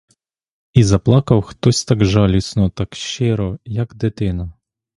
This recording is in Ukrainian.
І заплакав хтось так жалісно, так щиро, як дитина.